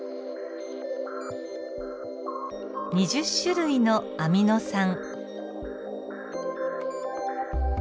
２０種類のアミノ酸。